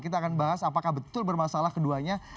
kita akan bahas apakah betul bermasalah keduanya